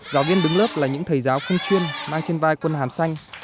giáo viên đứng lớp là những thầy giáo không chuyên mang trên vai quân hàm xanh